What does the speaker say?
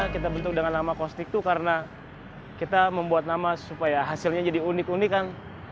kita bentuk dengan nama kostik itu karena kita membuat nama supaya hasilnya jadi unik unik kan